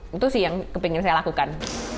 itu sih yang kepingin saya lakukan